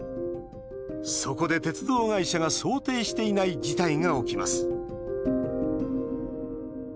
そこで、鉄道会社が想定していない事態が起きます。